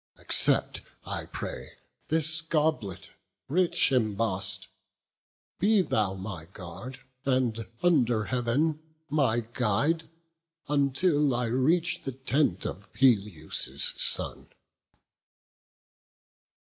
Accept, I pray, this goblet rich emboss'd; Be thou my guard, and, under Heav'n, my guide, Until I reach the tent of Peleus' son."